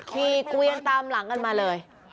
ขี่เกวียนตามหลังกันมาเลย